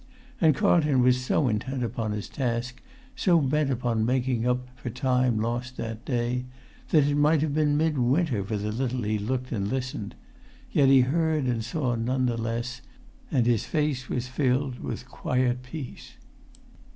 And Carlton was so intent upon his task, so bent upon making up for time lost that day, that it might have been mid winter for the little he looked and listened; yet he heard and saw none the less; and his face was filled with quiet peace.